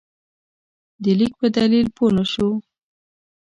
د لیک په دلیل پوه نه شو.